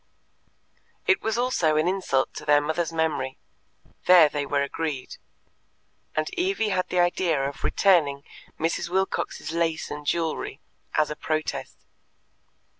It was also an insult to their mother's memory; there they were agreed, and Evie had the idea of returning Mrs. Wilcox's lace and jewellery "as a protest."